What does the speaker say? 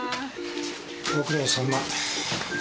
ご苦労さま。